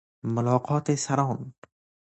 ملاقات سران